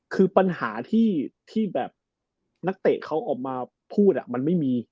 คือปัญหาที่แบบนักเตะเขาออกมาพูดมันไม่มี